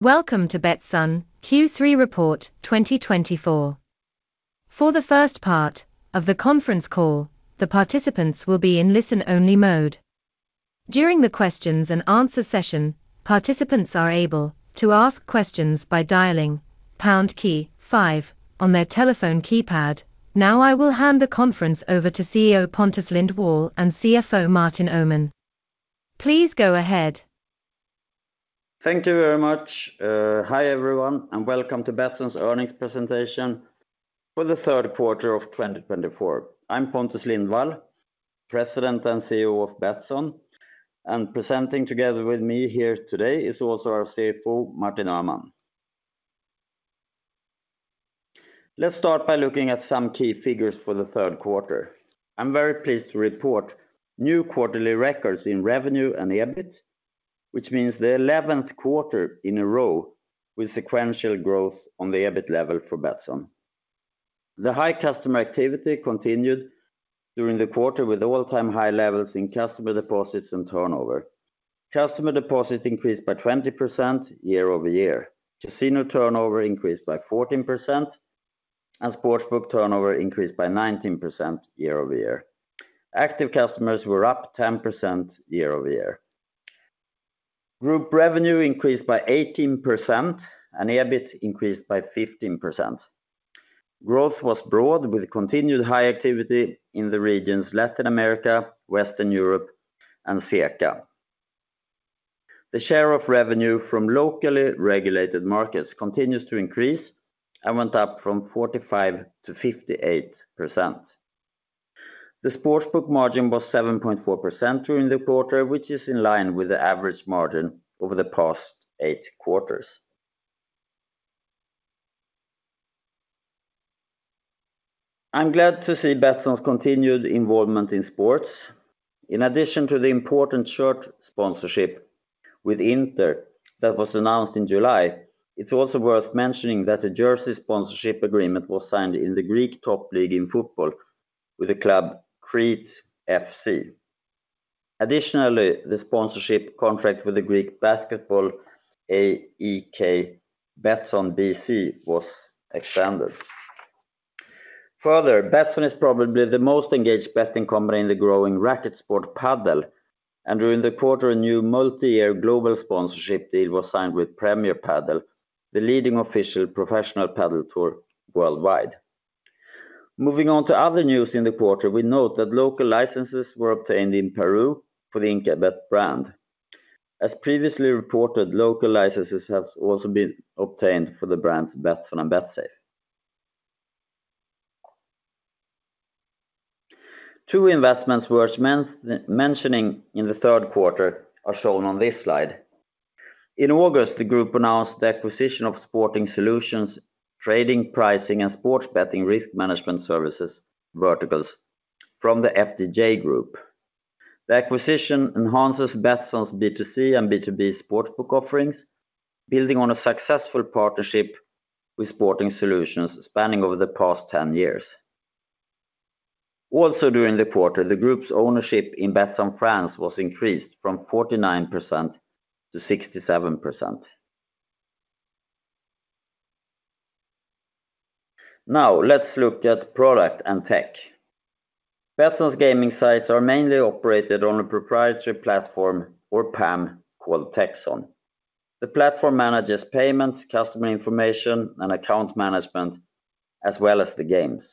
Welcome to Betsson Q3 Report 2024. For the first part of the conference call, the participants will be in listen-only mode. During the questions and answer session, participants are able to ask questions by dialing pound key five on their telephone keypad. Now, I will hand the conference over to CEO Pontus Lindwall and CFO Martin Öhman. Please go ahead. Thank you very much. Hi, everyone, and welcome to Betsson's earnings presentation for the third quarter of 2024. I'm Pontus Lindwall, President and CEO of Betsson, and presenting together with me here today is also our CFO, Martin Öhman. Let's start by looking at some key figures for the third quarter. I'm very pleased to report new quarterly records in revenue and EBIT, which means the eleventh quarter in a row with sequential growth on the EBIT level for Betsson. The high customer activity continued during the quarter, with all-time high levels in customer deposits and turnover. Customer deposits increased by 20% year-over-year. Casino turnover increased by 14%, and Sportsbook turnover increased by 19% year-over-year. Active customers were up 10% year-over-year. Group revenue increased by 18%, and EBIT increased by 15%. Growth was broad, with continued high activity in the regions Latin America, Western Europe, and CEECA. The share of revenue from locally regulated markets continues to increase and went up from 45%-58%. The Sportsbook margin was 7.4% during the quarter, which is in line with the average margin over the past eight quarters. I'm glad to see Betsson's continued involvement in sports. In addition to the important shirt sponsorship with Inter that was announced in July, it's also worth mentioning that the jersey sponsorship agreement was signed in the Greek Top League in football with the club OFI Crete FC. Additionally, the sponsorship contract with the Greek basketball AEK Betsson BC was expanded. Further, Betsson is probably the most engaged betting company in the growing racket sport padel, and during the quarter, a new multi-year global sponsorship deal was signed with Premier Padel, the leading official professional padel tour worldwide. Moving on to other news in the quarter, we note that local licenses were obtained in Peru for the Inkabet brand. As previously reported, local licenses have also been obtained for the brands Betsson and Betsafe. Two investments worth mentioning in the third quarter are shown on this slide. In August, the group announced the acquisition of Sporting Solutions, trading, pricing, and sports betting risk management services verticals from the FDJ Group. The acquisition enhances Betsson's B2C and B2B Sportsbook offerings, building on a successful partnership with Sporting Solutions spanning over the past ten years. Also, during the quarter, the group's ownership in Betsson France was increased from 49%-67%. Now, let's look at product and tech. Betsson's gaming sites are mainly operated on a proprietary platform or PAM called Techsson. The platform manages payments, customer information, and account management, as well as the games.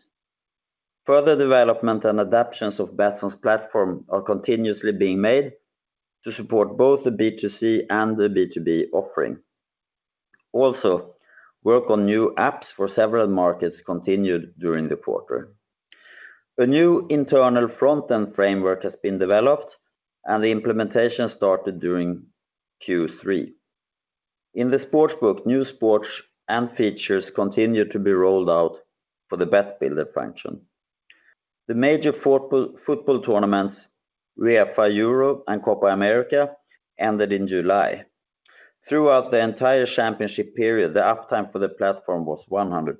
Further development and adaptations of Betsson's platform are continuously being made to support both the B2C and the B2B offering. Also, work on new apps for several markets continued during the quarter. A new internal front-end framework has been developed, and the implementation started during Q3. In the Sportsbook, new sports and features continued to be rolled out for the Bet Builder function. The major football tournaments, UEFA Euro and Copa América, ended in July. Throughout the entire championship period, the uptime for the platform was 100%.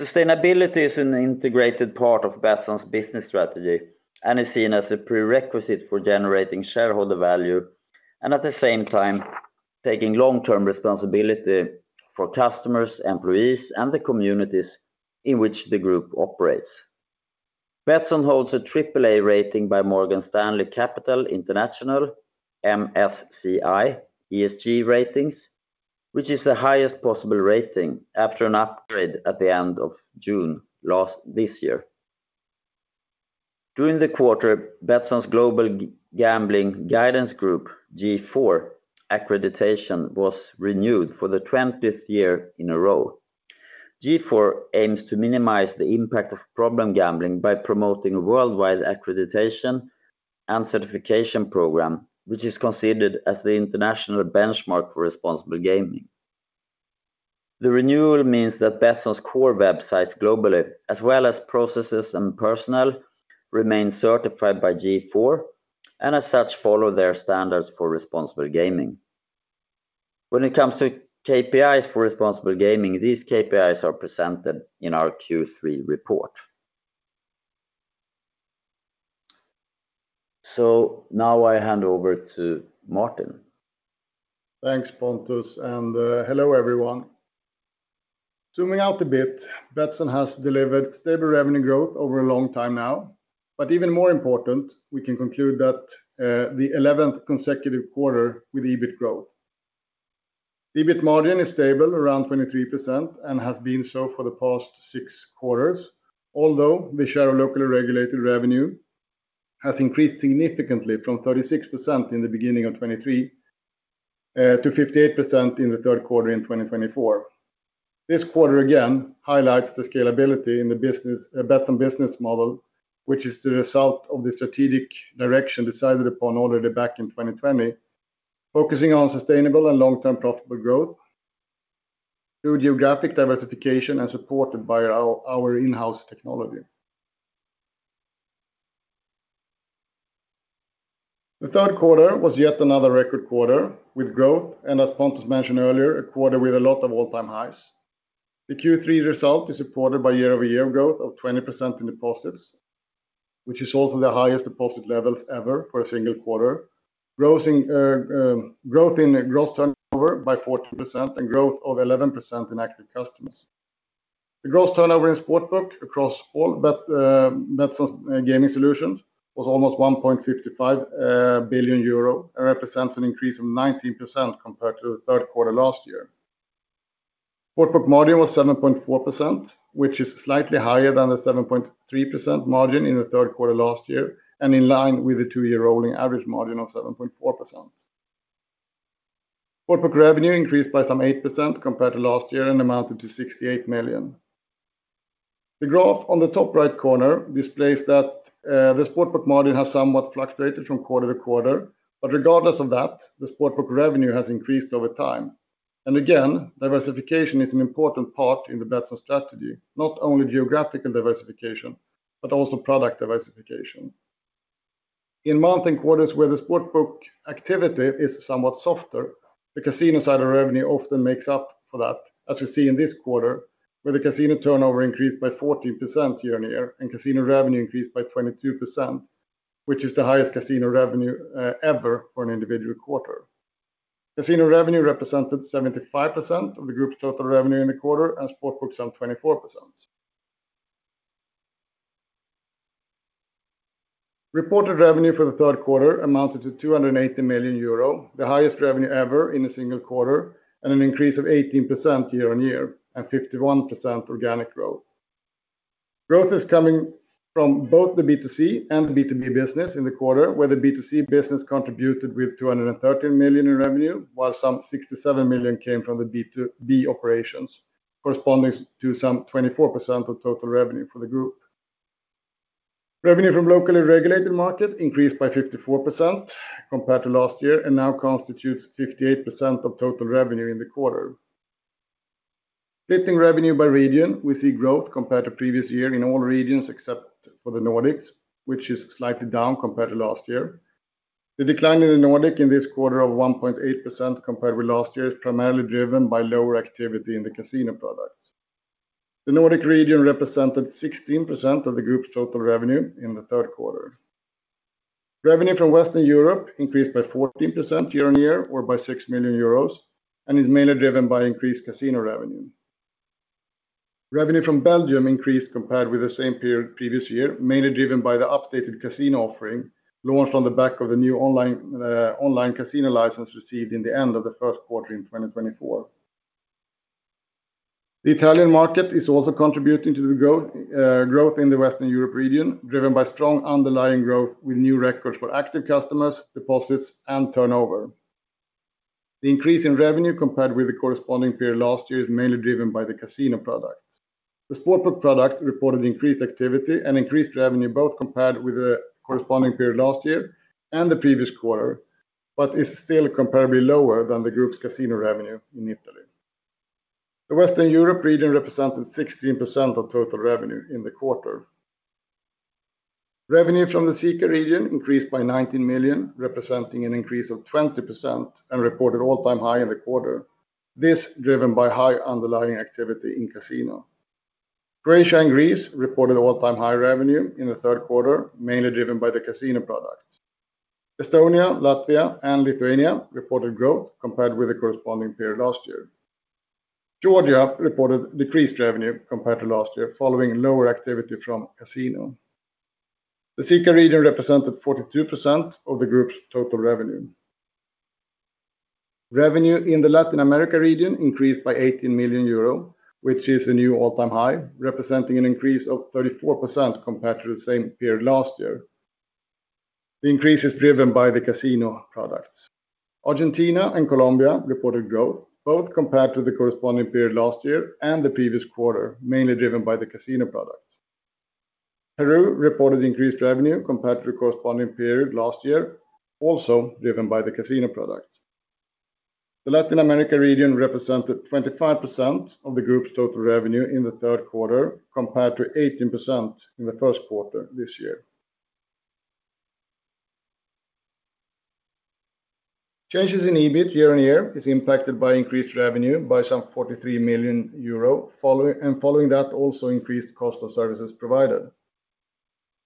Sustainability is an integrated part of Betsson's business strategy and is seen as a prerequisite for generating shareholder value and at the same time, taking long-term responsibility for customers, employees, and the communities in which the group operates. Betsson holds a triple-A rating by Morgan Stanley Capital International, MSCI ESG Ratings, which is the highest possible rating after an upgrade at the end of June this year. During the quarter, Betsson's Global Gambling Guidance Group (G4) Accreditation was renewed for the twentieth year in a row. G4 aims to minimize the impact of problem gambling by promoting a worldwide accreditation and certification program, which is considered as the international benchmark for responsible gaming. The renewal means that Betsson's core websites globally, as well as processes and personnel, remain certified by G4, and as such, follow their standards for responsible gaming. When it comes to KPIs for responsible gaming, these KPIs are presented in our Q3 report. So now I hand over to Martin. Thanks, Pontus, and hello, everyone. Zooming out a bit, Betsson has delivered stable revenue growth over a long time now, but even more important, we can conclude that the eleventh consecutive quarter with EBIT growth. EBIT margin is stable around 23% and has been so for the past six quarters, although the share of locally regulated revenue has increased significantly from 36% in the beginning of 2023 to 58% in the third quarter in 2024. This quarter, again, highlights the scalability in the business, Betsson business model, which is the result of the strategic direction decided upon already back in 2020, focusing on sustainable and long-term profitable growth through geographic diversification and supported by our in-house technology. The third quarter was yet another record quarter with growth, and as Pontus mentioned earlier, a quarter with a lot of all-time highs. The Q3 result is supported by year-over-year growth of 20% in deposits, which is also the highest deposit level ever for a single quarter. Growth in gross turnover by 14% and growth of 11% in active customers. The gross turnover in Sportsbook across all Betsson gaming solutions was almost 1.55 billion euro, and represents an increase of 19% compared to the third quarter last year. Sportsbook margin was 7.4%, which is slightly higher than the 7.3% margin in the third quarter last year, and in line with a two-year rolling average margin of 7.4%. Sportsbook revenue increased by some 8% compared to last year and amounted to 68 million. The graph on the top right corner displays that, the Sportsbook margin has somewhat fluctuated from quarter to quarter, but regardless of that, the Sportsbook revenue has increased over time. And again, diversification is an important part in the Betsson strategy, not only geographical diversification, but also product diversification. In many quarters, where the Sportsbook activity is somewhat softer, the casino side of revenue often makes up for that, as you see in this quarter, where the casino turnover increased by 14% year-on-year, and casino revenue increased by 22%, which is the highest casino revenue, ever for an individual quarter. Casino revenue represented 75% of the group's total revenue in the quarter, and Sportsbook some 24%. Reported revenue for the third quarter amounted to 280 million euro, the highest revenue ever in a single quarter, and an increase of 18% year-on-year, and 51% organic growth. Growth is coming from both the B2C and the B2B business in the quarter, where the B2C business contributed with 213 million in revenue, while some 67 million came from the B2B operations, corresponding to some 24% of total revenue for the group. Revenue from locally regulated markets increased by 54% compared to last year and now constitutes 58% of total revenue in the quarter. Splitting revenue by region, we see growth compared to previous year in all regions except for the Nordics, which is slightly down compared to last year. The decline in the Nordics in this quarter of 1.8% compared with last year, is primarily driven by lower activity in the casino products. The Nordics region represented 16% of the group's total revenue in the third quarter. Revenue from Western Europe increased by 14% year-on-year, or by 6 million euros, and is mainly driven by increased casino revenue. Revenue from Belgium increased compared with the same period previous year, mainly driven by the updated casino offering, launched on the back of a new online casino license received in the end of the first quarter in 2024. The Italian market is also contributing to the growth in the Western Europe region, driven by strong underlying growth with new records for active customers, deposits, and turnover. The increase in revenue compared with the corresponding period last year is mainly driven by the casino product. The Sportsbook product reported increased activity and increased revenue, both compared with the corresponding period last year and the previous quarter, but is still comparably lower than the group's casino revenue in Italy. The Western Europe region represented 16% of total revenue in the quarter. Revenue from the CEECA region increased by 19 million EUR, representing an increase of 20% and reported all-time high in the quarter. This, driven by high underlying activity in casino. Croatia and Greece reported all-time high revenue in the third quarter, mainly driven by the casino products. Estonia, Latvia, and Lithuania reported growth compared with the corresponding period last year. Georgia reported decreased revenue compared to last year, following lower activity from casino. The CEECA region represented 42% of the group's total revenue. Revenue in the Latin America region increased by 18 million euro, which is a new all-time high, representing an increase of 34% compared to the same period last year. The increase is driven by the casino products. Argentina and Colombia reported growth, both compared to the corresponding period last year and the previous quarter, mainly driven by the casino products. Peru reported increased revenue compared to the corresponding period last year, also driven by the casino product. The Latin America region represented 25% of the group's total revenue in the third quarter, compared to 18% in the first quarter this year.... Changes in EBIT year-on-year is impacted by increased revenue by some 43 million euro, and following that, also increased cost of services provided.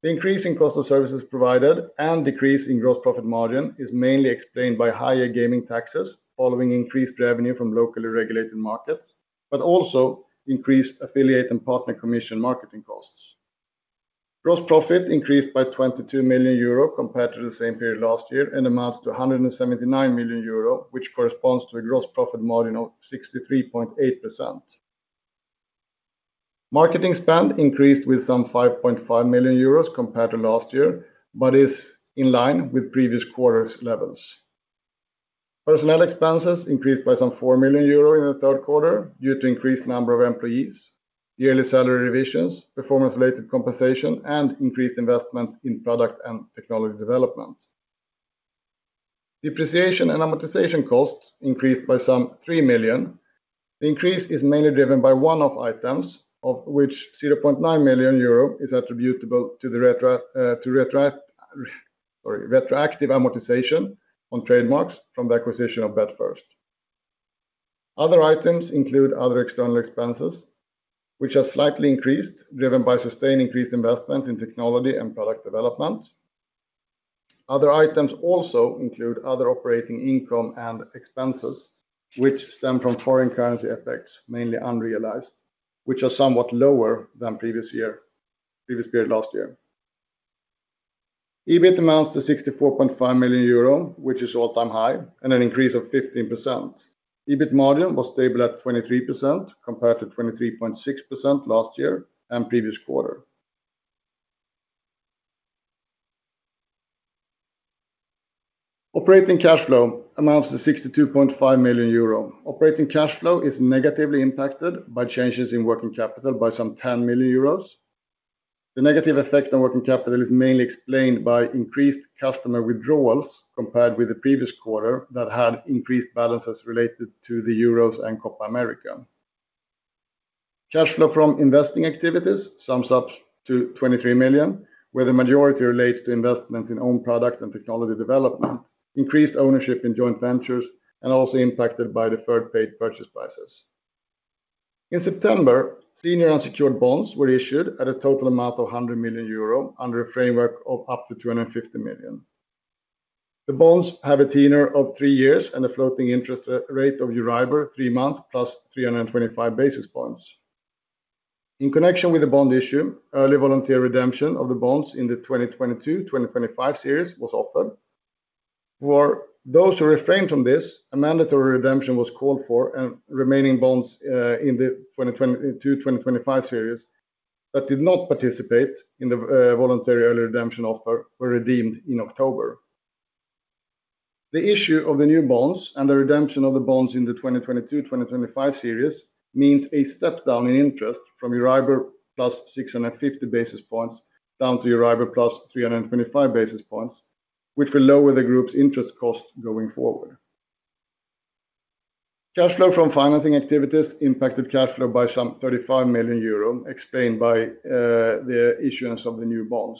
The increase in cost of services provided and decrease in gross profit margin is mainly explained by higher gaming taxes, following increased revenue from locally regulated markets, but also increased affiliate and partner commission marketing costs. Gross profit increased by 22 million euro compared to the same period last year, and amounts to 179 million euro, which corresponds to a gross profit margin of 63.8%. Marketing spend increased with some 5.5 million euros compared to last year, but is in line with previous quarters levels. Personnel expenses increased by some 4 million euros in the third quarter due to increased number of employees, yearly salary revisions, performance-related compensation, and increased investment in product and technology development. Depreciation and amortization costs increased by some 3 million. The increase is mainly driven by one-off items, of which 0.9 million euro is attributable to the retroactive amortization on trademarks from the acquisition of betFIRST. Other items include other external expenses, which have slightly increased, driven by sustained increased investment in technology and product development. Other items also include other operating income and expenses, which stem from foreign currency effects, mainly unrealized, which are somewhat lower than previous period last year. EBIT amounts to 64.5 million euro, which is all-time high, and an increase of 15%. EBIT margin was stable at 23%, compared to 23.6% last year and previous quarter. Operating cash flow amounts to 62.5 million euro. Operating cash flow is negatively impacted by changes in working capital by some 10 million euros. The negative effect on working capital is mainly explained by increased customer withdrawals compared with the previous quarter that had increased balances related to the Euros and Copa América. Cash flow from investing activities sums up to 23 million, where the majority relates to investment in own product and technology development, increased ownership in joint ventures, and also impacted by deferred paid purchase prices. In September, senior unsecured bonds were issued at a total amount of 100 million euro, under a framework of up to 250 million. The bonds have a tenure of three years and a floating interest rate of Euribor three months, plus 325 basis points. In connection with the bond issue, early voluntary redemption of the bonds in the 2022-2025 series was offered. For those who refrained from this, a mandatory redemption was called for, and remaining bonds in the 2022-2025 series that did not participate in the voluntary early redemption offer were redeemed in October. The issue of the new bonds and the redemption of the bonds in the 2022-2025 series means a step down in interest from Euribor plus 650 basis points down to Euribor plus 325 basis points, which will lower the group's interest costs going forward. Cash flow from financing activities impacted cash flow by some 35 million euro, explained by the issuance of the new bonds.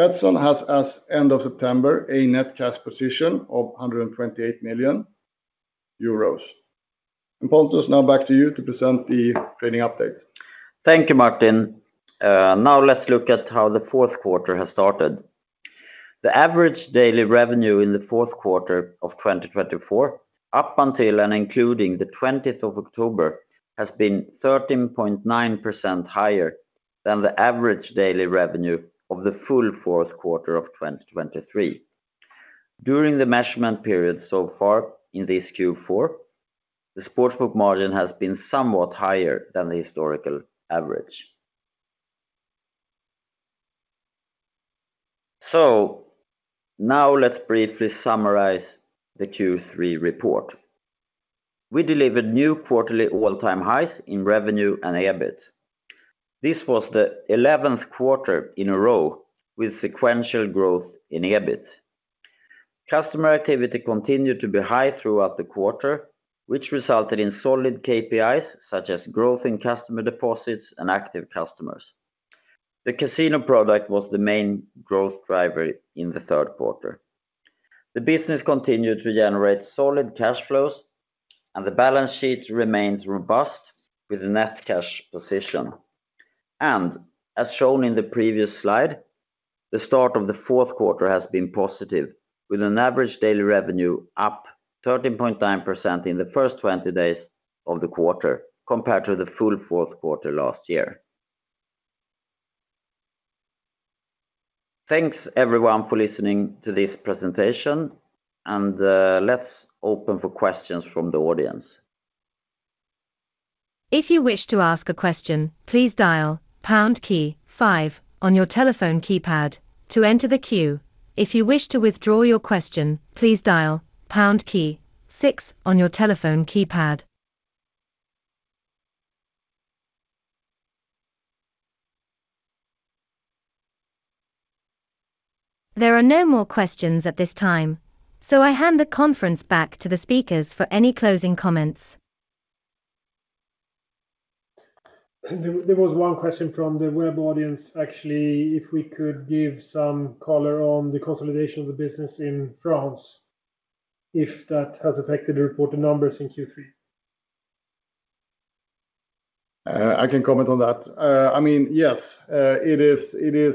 Betsson has, as end of September, a net cash position of 128 million euros. And Pontus, now back to you to present the trading update. Thank you, Martin. Now let's look at how the fourth quarter has started. The average daily revenue in the fourth quarter of twenty twenty-four, up until and including the twentieth of October, has been 13.9% higher than the average daily revenue of the full fourth quarter of twenty twenty-three. During the measurement period so far in this Q4, the sports book margin has been somewhat higher than the historical average. So now let's briefly summarize the Q3 report. We delivered new quarterly all-time highs in revenue and EBIT. This was the eleventh quarter in a row with sequential growth in EBIT. Customer activity continued to be high throughout the quarter, which resulted in solid KPIs, such as growth in customer deposits and active customers. The casino product was the main growth driver in the third quarter. The business continued to generate solid cash flows, and the balance sheet remains robust with a net cash position. And as shown in the previous slide, the start of the fourth quarter has been positive, with an average daily revenue up 13.9% in the first 20 days of the quarter, compared to the full fourth quarter last year. Thanks, everyone, for listening to this presentation, and let's open for questions from the audience. If you wish to ask a question, please dial pound key five on your telephone keypad to enter the queue. If you wish to withdraw your question, please dial pound key six on your telephone keypad. There are no more questions at this time, so I hand the conference back to the speakers for any closing comments. There was one question from the web audience, actually, if we could give some color on the consolidation of the business in France, if that has affected the reported numbers in Q3? I can comment on that. I mean, yes, it is...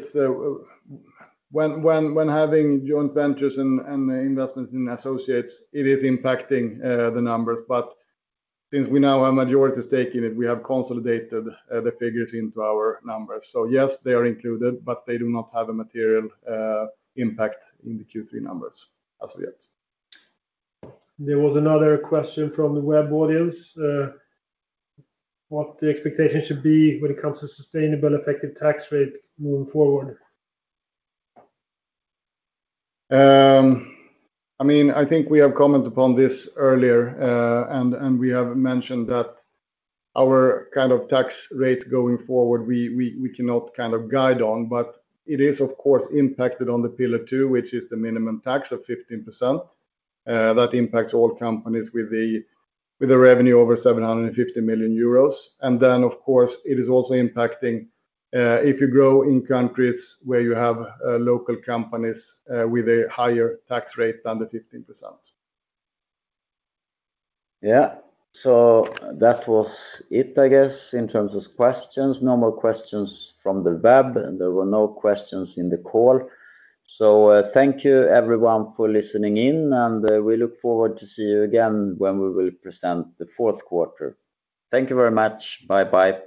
When having joint ventures and investments in associates, it is impacting the numbers, but since we now have majority stake in it, we have consolidated the figures into our numbers. So yes, they are included, but they do not have a material impact in the Q3 numbers as of yet. There was another question from the web audience, what the expectation should be when it comes to sustainable effective tax rate moving forward? I mean, I think we have commented upon this earlier, and we have mentioned that our kind of tax rate going forward, we cannot kind of guide on, but it is, of course, impacted on the Pillar Two, which is the minimum tax of 15%. That impacts all companies with a revenue over 750 million euros. And then, of course, it is also impacting, if you grow in countries where you have local companies with a higher tax rate than the 15%. Yeah. So that was it, I guess, in terms of questions. No more questions from the web, and there were no questions in the call. So, thank you, everyone, for listening in, and we look forward to see you again when we will present the fourth quarter. Thank you very much. Bye-bye